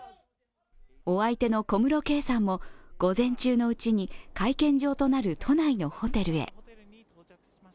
お相手の小室圭さんも午前中のうちに会見場となる都内のホテルへ。